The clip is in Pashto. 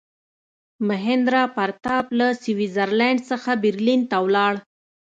میهندراپراتاپ له سویس زرلینډ څخه برلین ته ولاړ.